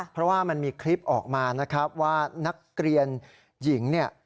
เพราะว่ามันมีคลิปออกมานะครับว่านักเรียนหญิงเนี่ย